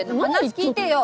話聞いてよ。